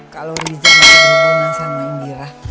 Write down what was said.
kalau riza masih berhubungan sama indira